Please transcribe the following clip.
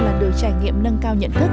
là đời trải nghiệm nâng cao nhận thức